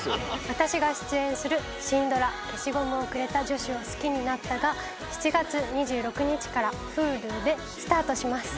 私が出演するシンドラ『消しゴムをくれた女子を好きになった。』が７月２６日からＨｕｌｕでスタートします。